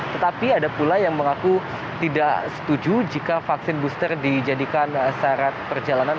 tetapi ada pula yang mengaku tidak setuju jika vaksin booster dijadikan syarat perjalanan